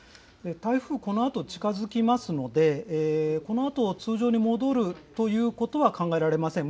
台風、このあと近づきますので、このあと、通常に戻るということは考えられません。